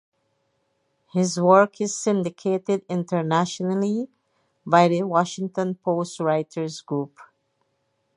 His work is syndicated internationally by The Washington Post Writers Group.